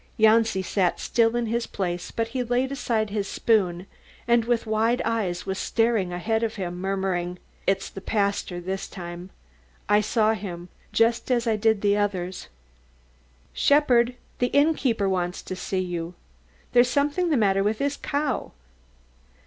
Janci sat still in his place, but he had laid aside his spoon and with wide eyes was staring ahead of him, murmuring, "It's the pastor this time; I saw him just as I did the others." "Shepherd, the inn keeper wants to see you, there's something the matter with his cow."